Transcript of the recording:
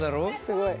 すごい。